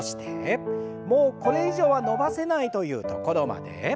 もうこれ以上は伸ばせないというところまで。